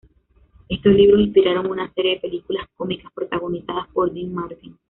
Estos libros inspiraron una serie de películas cómicas protagonizadas por Dean Martin.